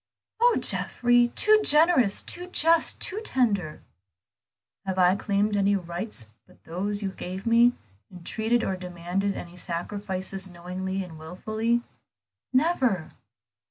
"Oh, Geoffrey, too generous, too just, too tender!" "Have I claimed any rights but those you gave me, entreated or demanded any sacrifices knowingly and wilfully?" "Never."